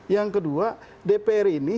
yang kedua dpr ini